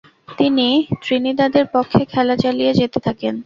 তিনি ত্রিনিদাদের পক্ষে খেলা চালিয়ে যেতে থাকেন।